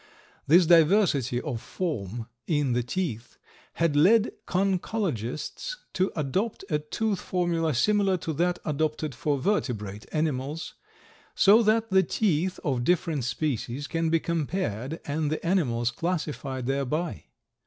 This diversity of form in the teeth has led conchologists to adopt a tooth formula similar to that adopted for vertebrate animals, so that the teeth of different species can be compared and the animals classified thereby.